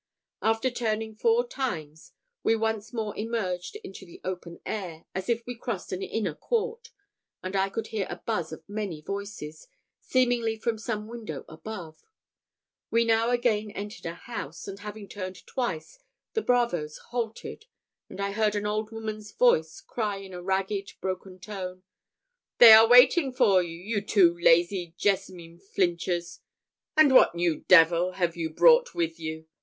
After turning four times, we once more emerged into the open air, as if we crossed an inner court, and I could hear a buzz of many voices, seemingly from some window above. We now again entered a house; and, having turned twice, the bravoes halted, and I heard an old woman's voice cry in a ragged, broken tone, "They are waiting for you, you two lazy jessame flinchers. And what new devil have you brought with you?